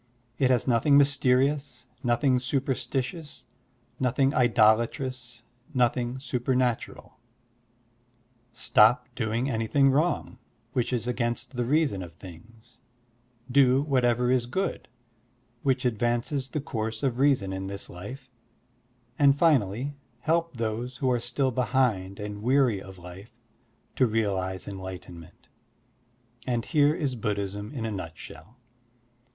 It has nothing mysterious, nothing superstitioxis, nothing idolatrous, nothing supernatural. Stop doing anything wrong, which is against the reason of things; do whatever is good, which advances the course of reason in this life; and finally help those who are still behind and weary of life to realize enlightenment: and here is Buddhism in a nutshell.